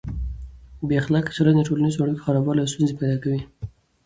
بې اخلاقه چلند د ټولنیزو اړیکو خرابوالی او ستونزې پیدا کوي.